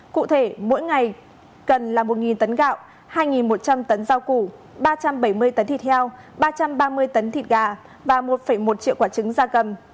cụ thể mỗi ngày cần là một tấn gạo hai một trăm linh tấn rau củ ba trăm bảy mươi tấn thịt heo ba trăm ba mươi tấn thịt gà và một một triệu quả trứng da cầm